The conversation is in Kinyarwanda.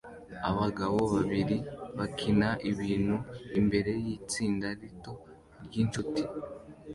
Abagabo babiri bakina ibintu imbere yitsinda rito ryinshuti